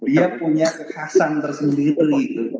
dia punya kekhasan tersendiri